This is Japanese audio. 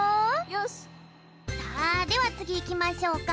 さあではつぎいきましょうか。